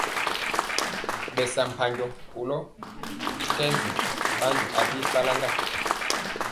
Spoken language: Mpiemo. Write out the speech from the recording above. Ɓɛ saa mpaŋgo kolɔ kɛ ɓandi a bi faraŋga.